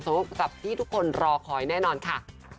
กับที่ทุกคนรอคอยแน่นอนค่ะ